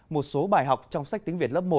một số bài học trong sách tiếng việt lớp một